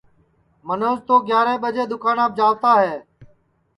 منوج تو گیاریں ٻجے دؔوکاناپ جاوتا ہے